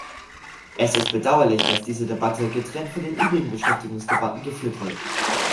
Es ist bedauerlich, dass diese Debatte getrennt von den übrigen Beschäftigungsdebatten geführt wird.